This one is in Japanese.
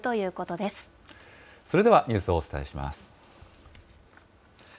それでは、ニュースをお伝えします。